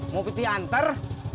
mau pipi anter